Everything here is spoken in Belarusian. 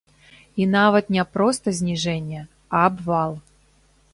І нават не проста зніжэнне, а абвал!